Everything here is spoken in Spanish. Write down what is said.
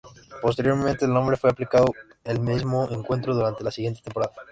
Posteriormente, el nombre fue aplicado al mismo encuentro durante la siguiente temporada.